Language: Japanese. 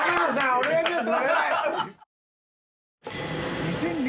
お願いします。